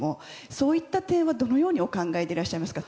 そういった点はどのようにお考えでいらっしゃいますか？